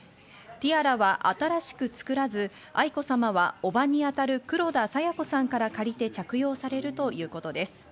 ティアラは新しく作らず、愛子さまは叔母にあたる黒田清子さんから借りて着用されるということです。